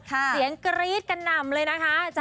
เสียงกรี๊ดกระหน่ำเลยนะคะ